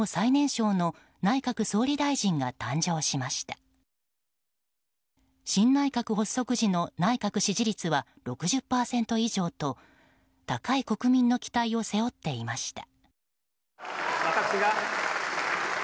新内閣発足時の内閣支持率は６０％以上と、高い国民の期待を背負っていました。